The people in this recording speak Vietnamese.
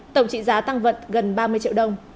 tổng trị giá tăng vận gần ba mươi triệu đồng